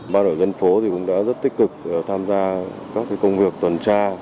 bao đội dân phố cũng đã rất tích cực tham gia các công việc tuần tra